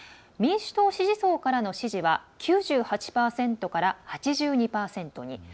民主党支持層からの支持は９８％から８２％に。